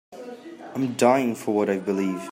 I'm dying for what I believe.